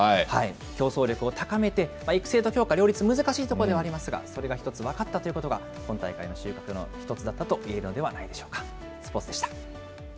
競争力を高めて、育成と強化、難しいところではありますが、それが１つ分かったということが、今大会の収穫の１つだったといえるのではないでしょうか。